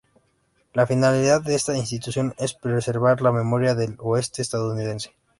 La finalidad de esta institución es preservar la memoria del Oeste Estadounidense.